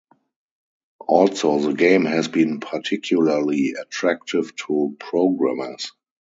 Also the game has been particularly attractive to programmers.